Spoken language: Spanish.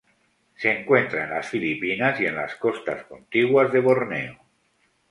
Se encuentra en las Filipinas y en las costas contiguas de Borneo.